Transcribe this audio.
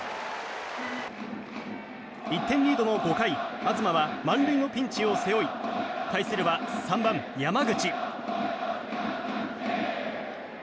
１点リードの５回東は満塁のピンチを背負い対するは３番、山口。